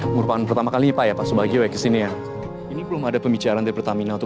merupakan pertama kali pak ya pak subagio kesini ya ini belum ada pembicaraan dari pertamina untuk